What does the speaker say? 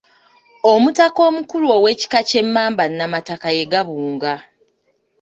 Omutaka omukulu ow’ekika ky’Emmamba Nnamakaka ye Gabunga.